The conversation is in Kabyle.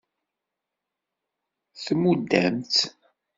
Tmudd-am-tt.